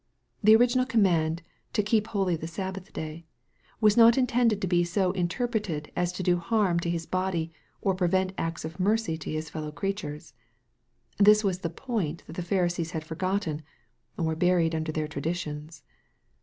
The original command to "keep holy the Sabbath day," was not intended to be so inter preted as to do harm to his body, or prevent acts of mercy to his fellow creatures. This was the point that the Pharisees had forgotten, or buried under their traditions.